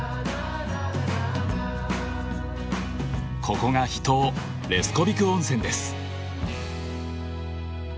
ここが秘湯レスコビク温泉です。